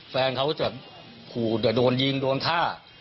แฟนเขาจะโดนยิงโดนฆ่า